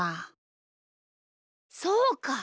そうか！